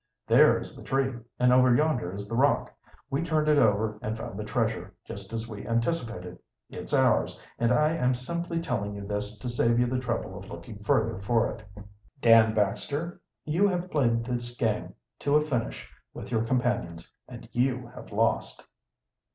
"There is the tree, and over yonder is the rock. We turned it over and found the treasure, just as we anticipated. It's ours, and I am simply telling you this to save you the trouble of looking further for it. Dan Baxter, you have played this game to a finish with your companions, and you have lost."